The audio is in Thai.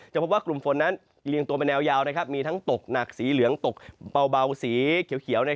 พบว่ากลุ่มฝนนั้นเลียงตัวเป็นแนวยาวมีทั้งตกหนักสีเหลืองตกเบาสีเขียว